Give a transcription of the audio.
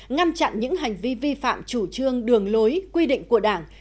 ngăn chặn những hành vi vi phạm chủ trương đường lối quy định của đảng